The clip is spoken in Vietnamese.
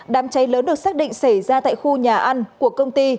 đám cháy lớn được xác định xảy ra tại khu nhà ăn của công ty